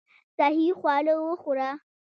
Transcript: صحي خواړه وخوره .